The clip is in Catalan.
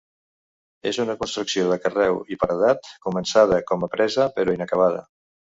És una construcció de carreu i paredat, començada com a presa, però inacabada.